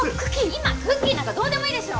今クッキーなんかどうでもいいでしょ！